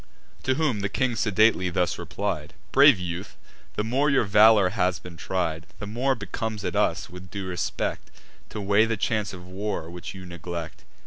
To whom the king sedately thus replied: "Brave youth, the more your valour has been tried, The more becomes it us, with due respect, To weigh the chance of war, which you neglect.